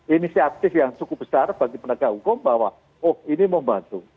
inisiatif yang cukup besar bagi penegak hukum bahwa oh ini membantu